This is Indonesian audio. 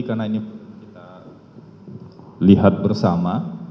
karena ini kita lihat bersama